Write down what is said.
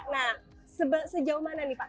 nah sejauh mana nih pak